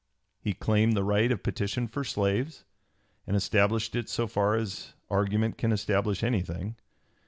He claimed the right of petition for slaves, and established it so far as argument can establish anything.